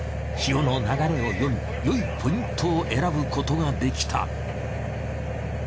潮の流れを読みよいポイントを選ぶことができた。